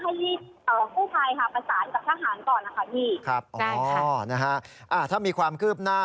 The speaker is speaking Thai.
ภาษาอีกกับทหารก่อนนะคะพี่ครับอ๋อนะฮะอ่าถ้ามีความคืบหน้า